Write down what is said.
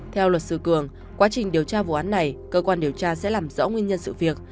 theo luật sư cường quá trình điều tra vụ án này cơ quan điều tra sẽ làm rõ nguyên nhân sự việc